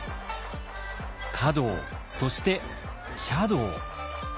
華道そして茶道。